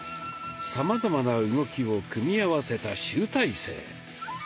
さまざまな動きを組み合わせた集大成。